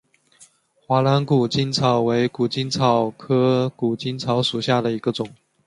华南谷精草为谷精草科谷精草属下的一个种。